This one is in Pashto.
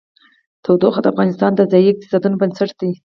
تودوخه د افغانستان د ځایي اقتصادونو بنسټ دی.